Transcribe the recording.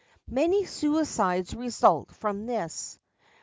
Many suicides result from this.